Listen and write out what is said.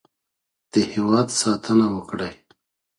د هېواد ساتنه وکړئ.